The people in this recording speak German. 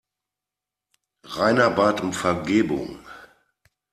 Rainer bat um Vergebung.